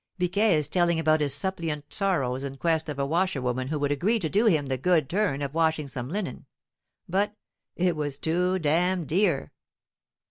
Biquet is telling about his suppliant sorrows in quest of a washerwoman who would agree to do him the good turn of washing some linen, but "it was too damned dear."